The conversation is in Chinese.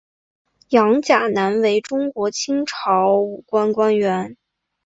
杨钾南为中国清朝武官官员。